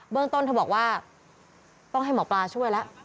เรื่องต้นเธอบอกว่าต้องให้หมอปลาช่วยแล้ว